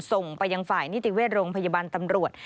ส่งไปยังฝ่ายนิติเวชโรงพยาบาลตำรวจ